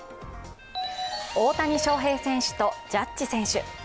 大谷翔平選手とジャッジ選手。